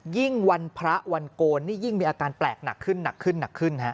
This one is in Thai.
ยิ่งวันพระวันโกรธนี่ยิ่งมีอาการแปลกหนักขึ้นนะฮะ